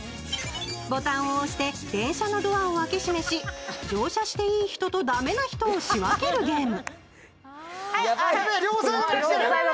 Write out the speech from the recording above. ボタンを押して電車のドアを開け閉めし、乗車していい人と駄目な人を仕分けるゲーム。